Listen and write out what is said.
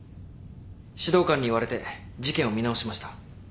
指導官に言われて事件を見直しました。